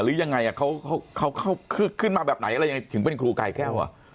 หรือยังไงเขาเข้าคลึงขึ้นมาแบบไหนแล้วยังไงถึงเป็นครูกายแก้วอ่ะ